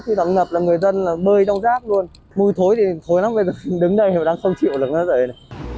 bạn ngập là người dân bơi trong rác luôn mùi thối thì thối lắm bây giờ đứng đây mà đang không chịu lắm